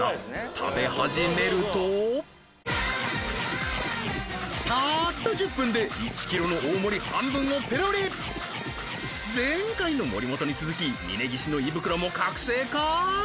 食べ始めるとたった１０分で１キロの大盛半分をペロリ前回の森本に続き峯岸の胃袋も覚醒か？